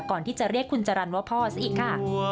ก่อนที่จะเรียกคุณจรรย์ว่าพ่อซะอีกค่ะ